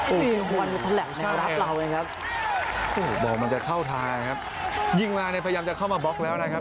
โอ้โหโอ้โหใช่ครับโอ้โหโบมันจะเข้าทางครับยิงมาเนี่ยพยายามจะเข้ามาบล็อกแล้วนะครับ